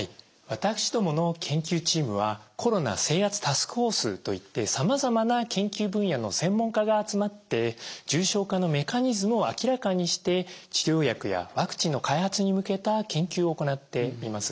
私どもの研究チームはコロナ制圧タスクフォースといってさまざまな研究分野の専門家が集まって重症化のメカニズムを明らかにして治療薬やワクチンの開発に向けた研究を行っています。